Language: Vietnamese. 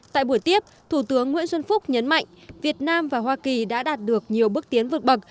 tại buổi tiếp thủ tướng nguyễn xuân phúc nhấn mạnh việt nam và hoa kỳ đã đạt được nhiều bước tiến vượt bậc